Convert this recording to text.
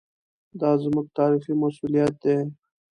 دا زموږ تاریخي مسوولیت دی.